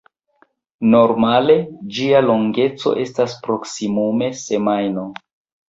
Normale ĝia longeco estas proksimume semajno.